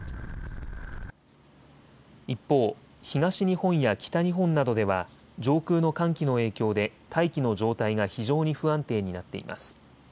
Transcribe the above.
一方、東日本や北日本などでは上空の寒気の影響で大気の状態が非常に不安定になっています。